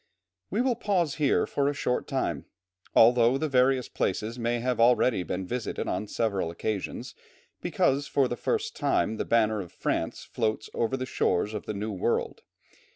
We will pause here for a short time, although the various places may have already been visited on several occasions, because for the first time the banner of France floats over the shores of the New World.